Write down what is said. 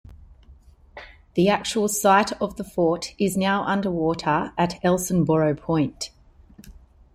The actual site of the fort is now under water at Elsinboro Point.